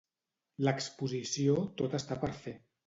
L'exposició Tot està per fer.